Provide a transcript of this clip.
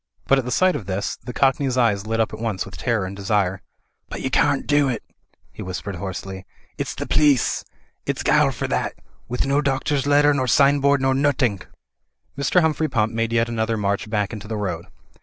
But at the sight of this the cockney's eyes lit at once with terror and desire. ''But yer cawnt do it," he whispered hoarsely, "its the pleece. Ifs gile for that, with no doctor's letter nor sign board nor nothink." Mr. Humphrey Pump made yet another march back into the road.